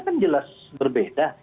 kan jelas berbeda